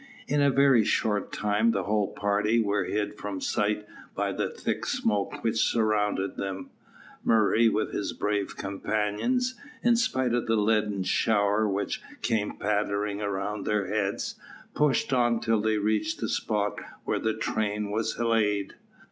In a very short time the whole party were hid from sight by the thick smoke which surrounded them. Murray, with his brave companions, in spite of the leaden shower which came pattering around their heads, pushed on till they reached the spot where the train was laid.